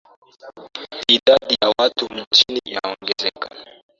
Idadi ya watu nchini imeongezeka